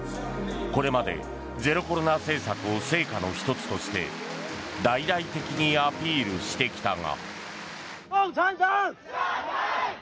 これまで、ゼロコロナ政策を成果の１つとして大々的にアピールしてきたが。